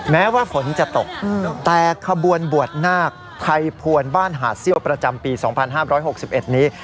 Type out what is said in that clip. แม้ว่าฝนจะตกอืมแต่ขบวนบวชนากไทยภวรบ้านหาดเซี่ยวประจำปีสองพันห้าร้อยหกสิบเอ็ดนี้